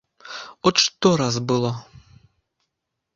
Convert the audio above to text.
От што раз было.